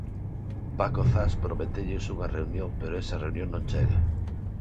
Paco Zas prometeulles unha reunión pero esa reunión non chega.